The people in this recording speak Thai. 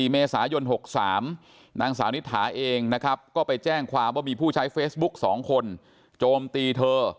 เมษายน๖๓นางสาวนิษฐาเองนะครับก็ไปแจ้งความว่ามีผู้ใช้เฟซบุ๊ก๒คนโจมตีเธอ